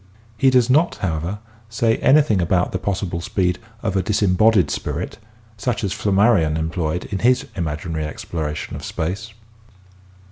He does not, however, say anything about the possible speed of a dis embodied spirit such as Flammarion employed in his imaginary exploration of space.